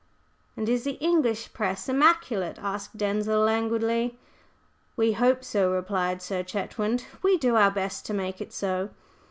"And is the English Press immaculate?" asked Denzil languidly. "We hope so," replied Sir Chetwynd. "We do our best to make it so."